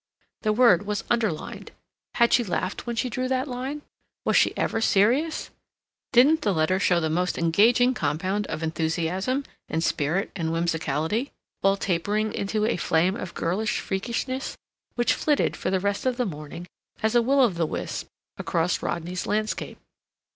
The word was underlined. Had she laughed when she drew that line? Was she ever serious? Didn't the letter show the most engaging compound of enthusiasm and spirit and whimsicality, all tapering into a flame of girlish freakishness, which flitted, for the rest of the morning, as a will o' the wisp, across Rodney's landscape.